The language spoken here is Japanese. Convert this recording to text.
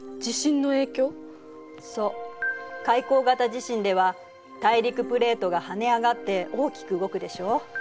海溝型地震では大陸プレートが跳ね上がって大きく動くでしょ。